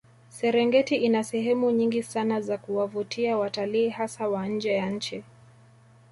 Serengeti ina sehemu nyingi Sana za kuwavutia watalii hasa wa nje ya nchi